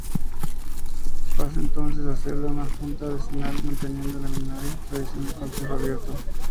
Pasa entonces a ser una Junta vecinal manteniendo la milenaria tradición del Concejo abierto.